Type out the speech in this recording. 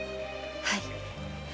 はい。